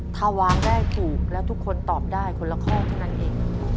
ถ้าวางได้ถูกแล้วทุกคนตอบได้คนละข้อเท่านั้นเอง